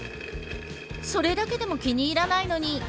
それだけでも気に入らないのに。